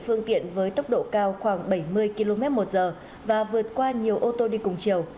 phương tiện với tốc độ cao khoảng bảy mươi km một giờ và vượt qua nhiều ô tô đi cùng chiều